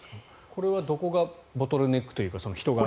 これはどこがボトルネックというか人が。